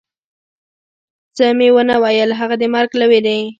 څه مې و نه ویل، هغه د مرګ له وېرې.